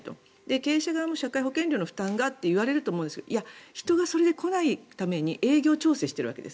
経営者側も社会保険料の負担がって言われると思うんですがそれで人が来ないことによって営業調整しているわけです。